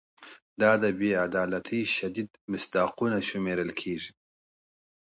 دا د بې عدالتۍ شدید مصداقونه شمېرل کیږي.